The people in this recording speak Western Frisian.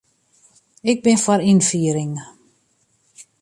Ik bin foar ynfiering.